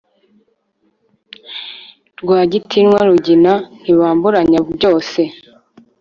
Rwagitinywa Rugina ntibamburanya byose